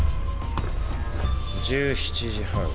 １７時半。